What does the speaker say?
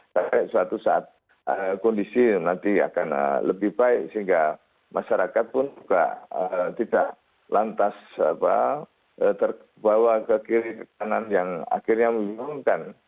sampai suatu saat kondisi nanti akan lebih baik sehingga masyarakat pun juga tidak lantas terbawa ke kiri ke kanan yang akhirnya membingungkan